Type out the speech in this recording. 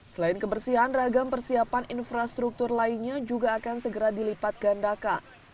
selain kebersihan ragam persiapan infrastruktur lainnya juga akan segera dilipat gandakan